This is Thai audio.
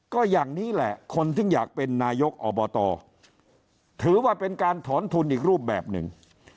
ก็อย่างนี้แหละคนที่อยากเป็นนายกอบตถือว่าเป็นการถอนทุนอีกรูปแบบหนึ่ง